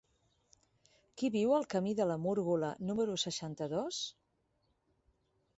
Qui viu al camí de la Múrgola número seixanta-dos?